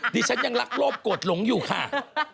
ดิฉันยังรักโลภโกรธหลงอยู่ค่ะ